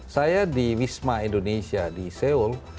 saya di wisma indonesia di seoul